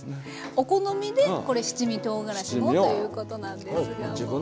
お好みでこれ七味とうがらしもということなんですが。